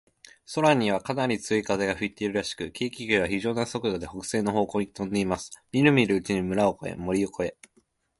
空には、かなり強い風が吹いているらしく、軽気球は、ひじょうな速度で、北西の方向にとんでいます。みるみるうちに村を越え、森を越え、